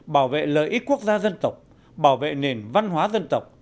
bảo vệ lợi ích quốc gia dân tộc bảo vệ nền văn hóa dân tộc